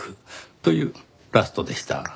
というラストでした。